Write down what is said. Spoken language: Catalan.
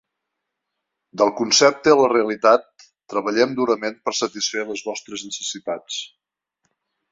Del concepte a la realitat, treballem durament per satisfer les vostres necessitats.